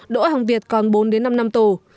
đỗ hàng việt còn bốn đến năm năm tù